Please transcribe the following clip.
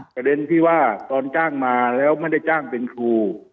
ประเด็นที่ว่าตอนจ้างมาแล้วไม่ได้จ้างเป็นครู